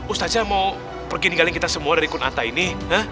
ustadz saya mau pergi ninggalin kita semua dari kunata ini